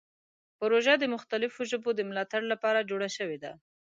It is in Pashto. پروژه د مختلفو ژبو د ملاتړ لپاره جوړه شوې ده.